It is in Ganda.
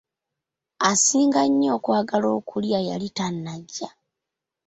Asinga nnyo okwagala okulya yali tanajja.